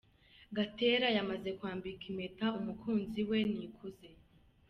Gatera yamaze kwambika impeta umukunzi we, Nikuze.